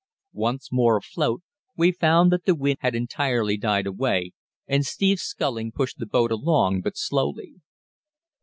Once more afloat, we found that the wind had entirely died away, and Steve's sculling pushed the boat along but slowly.